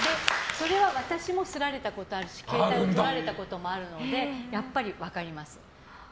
それは私もスラれたことあるし携帯をとられたこともあるのでやっぱり、分かります。